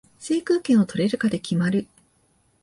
制空権を取れるかで決まる